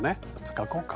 描こうか。